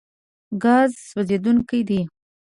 ګاز سوځېدونکی دی.